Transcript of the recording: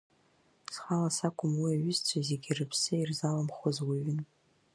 Схала сакәым уи аҩызцәа зегьы рыԥсы ирзалымхуаз уаҩын.